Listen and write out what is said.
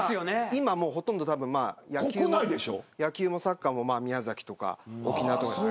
今は、ほとんど野球もサッカーも宮崎とか沖縄とか。